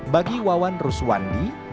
bagi wawan ruswandi